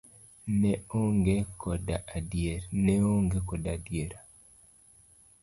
Ne oonge koda adiera.